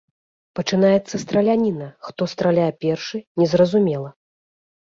Пачынаецца страляніна, хто страляе першы, незразумела.